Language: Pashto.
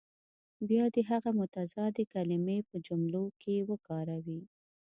بیا دې هغه متضادې کلمې په جملو کې وکاروي.